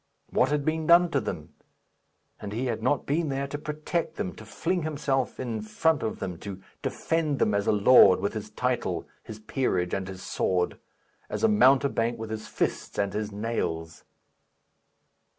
What had been done to them? And he had not been there to protect them, to fling himself in front of them, to defend them, as a lord, with his title, his peerage, and his sword; as a mountebank, with his fists and his nails!